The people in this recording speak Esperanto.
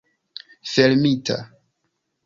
fermita